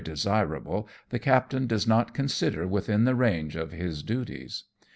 desirable, the captain does not consider within the range of his duties.